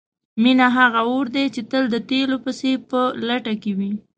مینه هغه اور دی چې تل د تیلو پسې په لټه کې وي.